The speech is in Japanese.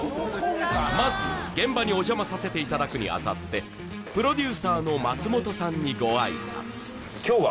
まず現場にお邪魔させていただくにあたってプロデューサーの松本さんにご挨拶